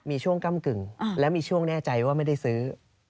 มีช่วงก้ำกึ่งแล้วมีช่วงแน่ใจว่าไม่ได้ซื้อ